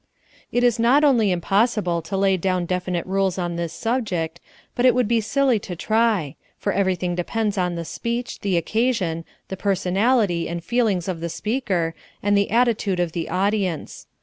It is not only impossible to lay down definite rules on this subject, but it would be silly to try, for everything depends on the speech, the occasion, the personality and feelings of the speaker, and the attitude of the audience.